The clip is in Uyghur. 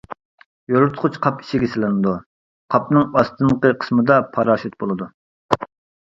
يورۇتقۇچ قاپ ئىچىگە سېلىنىدۇ، قاپنىڭ ئاستىنقى قىسمىدا پاراشۇت بولىدۇ.